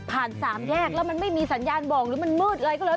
สามแยกแล้วมันไม่มีสัญญาณบอกหรือมันมืดอะไรก็เลย